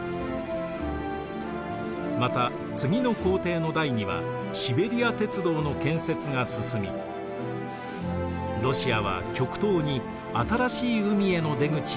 また次の皇帝の代にはシベリア鉄道の建設が進みロシアは極東に新しい海への出口を手にしたのです。